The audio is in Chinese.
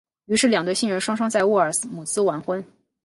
于是两对新人双双在沃尔姆斯完婚。